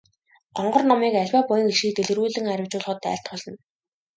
Гонгор номыг аливаа буян хишгийг дэлгэрүүлэн арвижуулахад айлтгуулна.